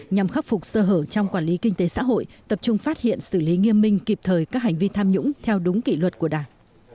nhằm khắc phục sơ hở trong quản lý kinh tế xã hội tập trung phát hiện xử lý nghiêm minh kịp thời các hành vi tham nhũng theo đúng kỷ luật của đảng